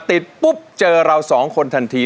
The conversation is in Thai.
ติดปุ๊บเจอเราสองคนทันที